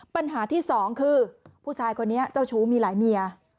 ปัญหาที่สองคือผู้ชายคนนี้เจ้าชู้มีหลายเมีย